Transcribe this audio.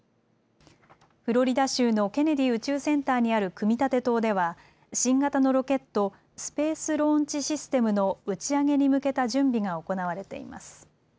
フロリダ州のケネディ宇宙センターにある組み立て棟では新型のロケット、スペース・ローンチ・システムの打ち上げに向けた準備が行われています。